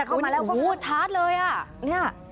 โอ้โฮชาร์จเลยอ่ะ